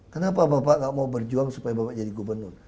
kenapa bapak gak mau berjuang supaya bapak jadi gubernur